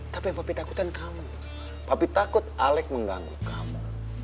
tapi yang papi takutan kamu papi takut alec mengganggu kamu